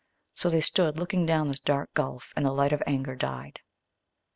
So they stood looking down this dark gulf, and the light of anger died.